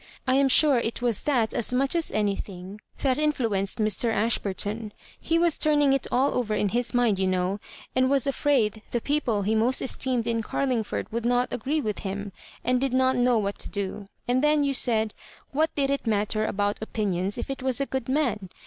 I am sure it was that as much as anything that in fluenced Mr. Ashburton. He ' was turning it all over in his mind, you know, and was afraid the people he mosc esteemed in Oarlingford would not agree with him, and did not know what to do ; and then you said, What did it matter about opinions, if it was a good man